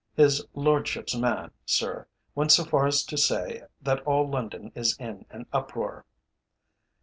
His Lordship's man, sir, went so far as to say that all London is in an uproar.'